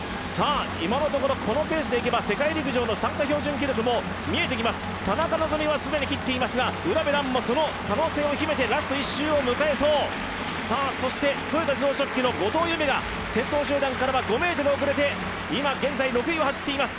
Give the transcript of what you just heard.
今のところ、このペースでいけば世界陸上の参加標準記録も見えてきます、田中希実は既に切っていますが卜部蘭もその可能性を秘めてラスト１周をむかえそう豊田自動織機の後藤夢が先頭集団から５ｍ遅れて今現在６位を走っています。